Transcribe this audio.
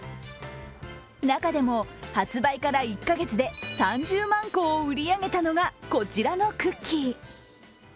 中でも発売から１カ月で３０万個を売り上げたのがこちらのクッキー。